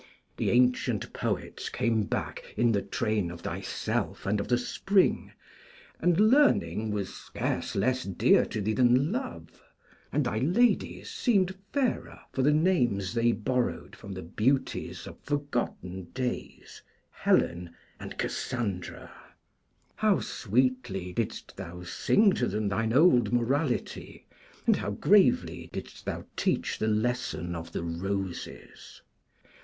The ancient poets came back in the train of thyself and of the Spring, and learning was scarce less dear to thee than love; and thy ladies seemed fairer for the names they borrowed from the beauties of forgotten days, Helen and Cassandra. How sweetly didst thou sing to them thine old morality, and how gravely didst thou teach the lesson of the Roses!